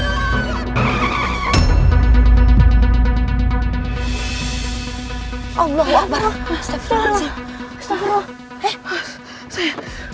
apa kabar mak